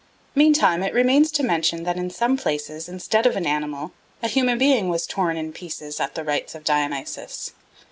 Meantime it remains to mention that in some places, instead of an animal, a human being was torn in pieces at the rites of Dionysus.